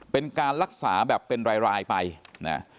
เป็นการรักษาแบบเป็นรายไปนะ